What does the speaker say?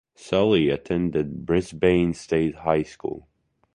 Sully attended Brisbane State High School.